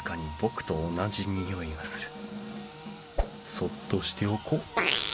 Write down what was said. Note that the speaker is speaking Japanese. そっとしておこう。